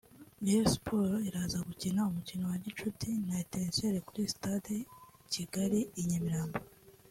Rayon Sports iraza gukina umukino wa gicuti na Etincelles kuri Stade ya Kigali i Nyamirambo